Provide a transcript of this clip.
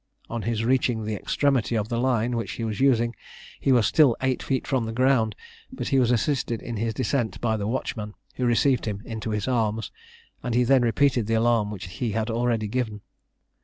On his reaching the extremity of the line which he was using, he was still eight feet from the ground; but he was assisted in his descent by the watchman, who received him into his arms, and he then repeated the alarm which he had already given.